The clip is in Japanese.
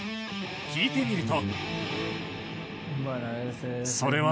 聞いてみると。